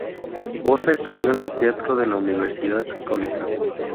Boza estudió en el Teatro de la Universidad Católica.